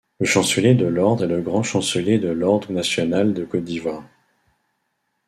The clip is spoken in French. Le chancelier de l'ordre est le grand chancelier de l'ordre national de Côte d’Ivoire.